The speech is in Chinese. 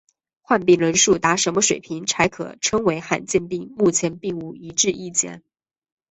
患病人数达什么水平才可称为罕见病目前并无一致意见。